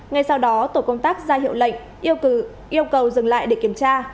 ngay sau đó tổ công tác ra hiệu lệnh yêu cầu dừng lại để kiểm tra